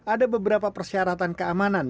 ada beberapa persyaratan keamanan